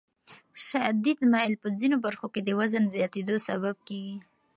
شدید میل په ځینو برخو کې د وزن زیاتېدو سبب کېږي.